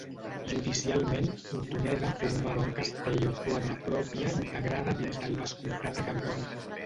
Judicialment Hortoneda formava un castell o quadra pròpia integrada dins del vescomtat de Cardona.